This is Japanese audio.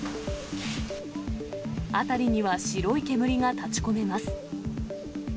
辺りには白い煙が立ちこめます。